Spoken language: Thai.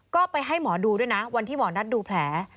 ก็ไปให้หมอดูด้วยนะวันที่หมอนัทดูแผล